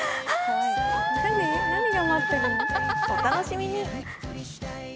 お楽しみに。